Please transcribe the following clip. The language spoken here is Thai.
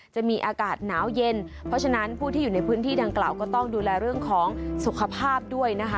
จะมีอากาศหนาวเย็นเพราะฉะนั้นผู้ที่อยู่ในพื้นที่ดังกล่าวก็ต้องดูแลเรื่องของสุขภาพด้วยนะคะ